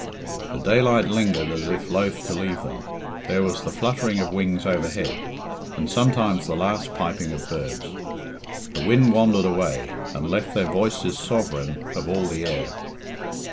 The daylight lingered as if loth to leave them. There was the fluttering of wings overhead, and sometimes the last piping of birds. The wind wandered away, and left their voices sovereign of all the air.